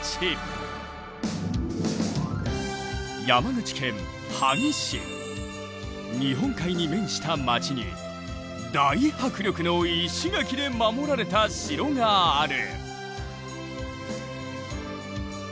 続いては萩城！日本海に面した町に大迫力の石垣で守られた城がある！